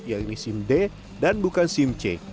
yang ini sim d dan bukan sim c